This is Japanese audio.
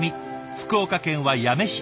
福岡県は八女市。